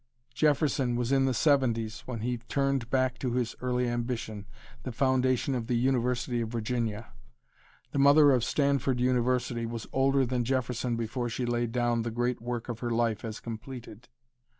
Jefferson was in the seventies when he turned back to his early ambition, the foundation of the University of Virginia. The mother of Stanford University was older than Jefferson before she laid down the great work of her life as completed.